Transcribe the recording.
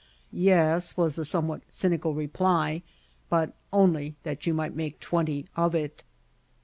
"Yes," was the somewhat cynical reply; "but only that you might make twenty of it."